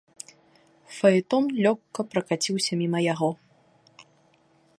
Фаэтон лёгка пракаціўся міма яго.